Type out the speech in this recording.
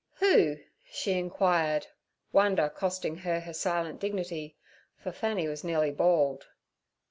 'Who?' she inquired, wonder costing her her silent dignity, for Fanny was nearly bald.